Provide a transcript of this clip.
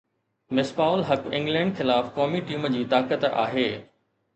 Misbah ul Haq England خلاف قومي team جي طاقت آهي